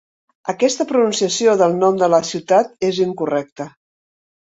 Aquesta pronunciació del nom de la ciutat és incorrecta.